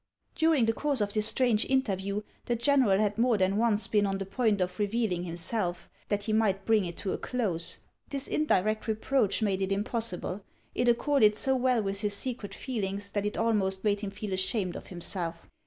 During the course of this strange interview the general had more than once been on the point of revealing him self, that he might bring it to a close. This indirect re proach made it impossible ; it accorded so well with his secret feelings that it almost made him feel ashamed of himself.